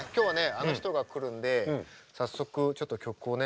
あの人が来るんで早速ちょっと曲をね。